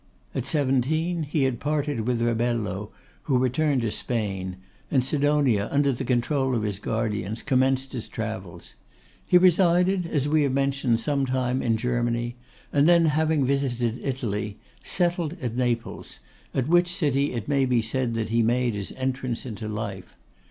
At seventeen he had parted with Rebello, who returned to Spain, and Sidonia, under the control of his guardians, commenced his travels. He resided, as we have mentioned, some time in Germany, and then, having visited Italy, settled at Naples, at which city it may be said he made his entrance into life.